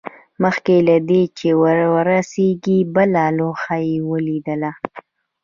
مخکې له دې چې ورسیږي بله لوحه یې ولیدل